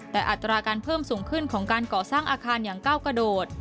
แต่อัตราการเพิ่มสูงขึ้นของการก่อสร้างอาคารอย่างก้าวกระโดด